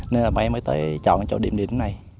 nên là bọn em mới chọn chỗ điểm đi đến này